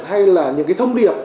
hay là những cái thông điệp